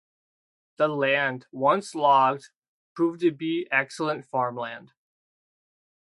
The land, once logged, proved to be excellent farm land.